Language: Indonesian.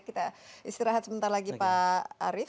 kita istirahat sebentar lagi pak arief